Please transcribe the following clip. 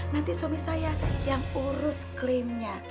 nanti suami saya yang urus klaimnya